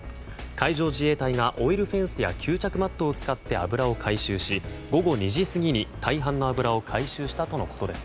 海上自衛隊がオイルフェンスや吸着マットを使って油を回収し午後２時過ぎに大半の油を回収したとのことです。